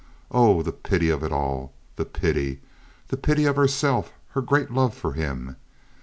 Oh, the pity of it all! The pity! The pity of herself—her great love for him!